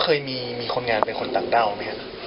เคยมีคนงานเป็นคนต่างด้าวไหมครับ